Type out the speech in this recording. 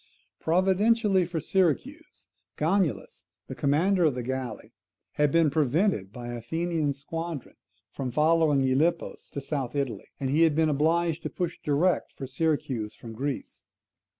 Providentially for Syracuse, Gongylus, the commander of the galley, had been prevented by an Athenian squadron from following Gylippus to South Italy, and he had been obliged to push direct for Syracuse from Greece.